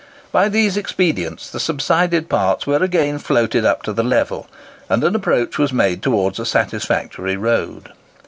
By these expedients the subsided parts were again floated up to the level, and an approach was made towards a satisfactory road.